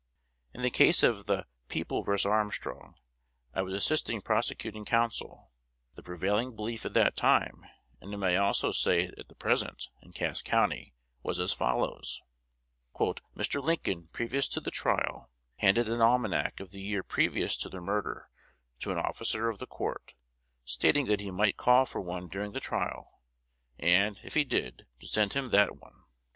'" "In the case of the People vs. Armstrong, I was assisting prosecuting counsel. The prevailing belief at that time, and I may also say at the present, in Cass County, was as follows: "Mr. Lincoln, previous to the trial, handed an almanac of the year previous to the murder to an officer of the court, stating that he might call for one during the trial, and, if he did, to send him that one.